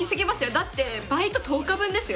だってバイト１０日分ですよ